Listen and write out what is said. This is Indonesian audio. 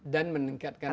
dan meningkatkan aktivitas